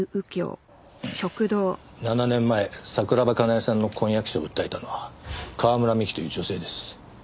７年前桜庭かなえさんの婚約者を訴えたのは川村美樹という女性です。